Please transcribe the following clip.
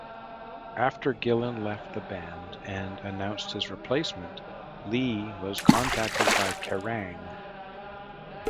After Gillen left the band and announced his replacement, Lee was contacted by Kerrang!